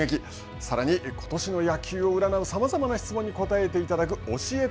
さらにことしの野球を占うさまざまな質問に答えていただくおしえて！！